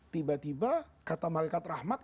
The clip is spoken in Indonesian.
tiba tiba kata malaikat rahmat